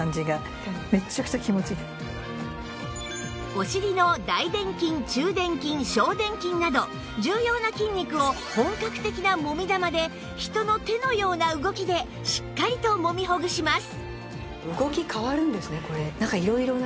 お尻の大殿筋中殿筋小殿筋など重要な筋肉を本格的なもみ玉で人の手のような動きでしっかりともみほぐします